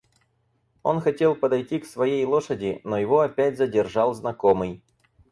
Он хотел подойти к своей лошади, но его опять задержал знакомый.